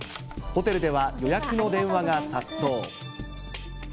ホテルでは、予約の電話が殺到。